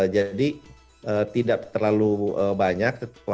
jadi tidak terlalu banyak